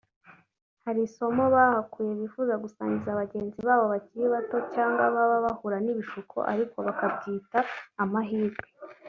hari isomo bahakuye bifuza gusangiza bagenzi babo bakiri bato cyangwa baba bahura n’ibishuko ariko bakabyita amahirwe